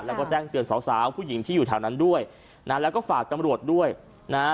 แล้วก็แจ้งเตือนสาวสาวผู้หญิงที่อยู่แถวนั้นด้วยนะแล้วก็ฝากตำรวจด้วยนะฮะ